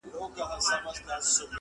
دی قرنطین دی په حجره کي-